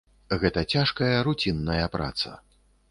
Гэта цяжкая руцінная праца.